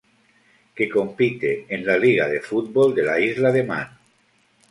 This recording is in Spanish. Que compite en la Liga de Fútbol de la Isla de Man.